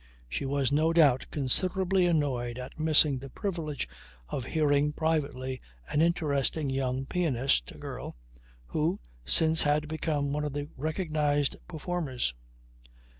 She was no doubt considerably annoyed at missing the privilege of hearing privately an interesting young pianist (a girl) who, since, had become one of the recognized performers.